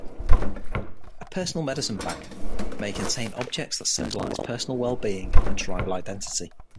A personal medicine bag may contain objects that symbolize personal well-being and tribal identity.